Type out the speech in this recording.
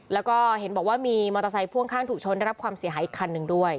แล้วก็เห็นบอกว่ามีมอเตอร์ไซค์พ่วงข้างถูกชนได้รับความเสียหายอีกคันหนึ่งด้วย